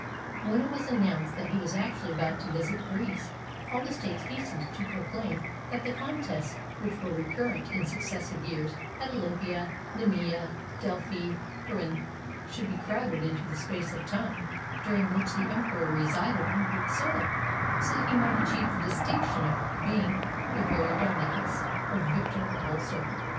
... When it was announced that he was actually about to visit Greece, all the states hastened to proclaim that the contests which were recurrent in successive years at Olympia, Nemea, Delphi, and Corinth should be 434 THE EMPEROR NERO ON THE STAGE crowded into the space of time during which the Em peror resided on Greek soil, so that he might achieve the distinction of being a Periodonicus, or victor in the whole circle.